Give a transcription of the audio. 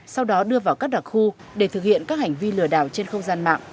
sau đó đưa vào các đặc khu để thực hiện các hành vi lừa đảo trên không gian mạng